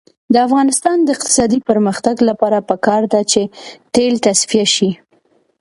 د افغانستان د اقتصادي پرمختګ لپاره پکار ده چې تیل تصفیه شي.